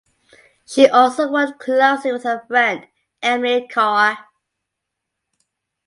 She also worked closely with her friend Emily Carr.